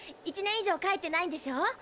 １年以上帰ってないんでしょ？